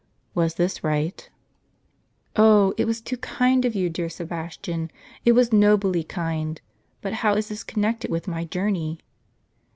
Was this right ?"" Oh, it was too kind of you, dear Sebastian ; it was nobly kind. But how is this connected with my journey